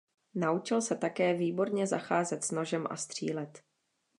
Naučil se také výborně zacházet s nožem a střílet.